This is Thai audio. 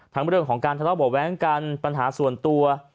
ทั้งเรื่องของการทะเลาะบวงแว้งการปัญหาส่วนตัว